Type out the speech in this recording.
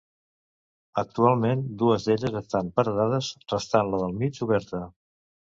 Actualment dues d'elles estan paredades, restant la del mig oberta.